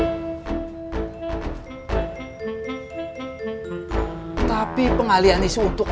apakah punya penduduk itu bisa minta harcimento kakao